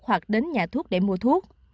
hoặc đến nhà thuốc để mua thuốc